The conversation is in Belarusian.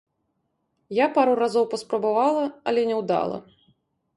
Я пару разоў паспрабавала, але няўдала.